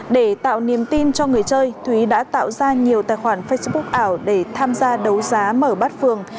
để tạo niềm tin cho người chơi thúy đã tạo ra nhiều tài khoản facebook ảo để tham gia đấu giá mở bát phường